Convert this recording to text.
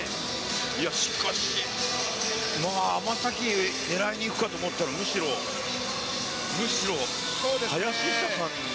いやしかし、まあ、天咲、狙いにいくかと思ったら、むしろ、むしろ林下さんに。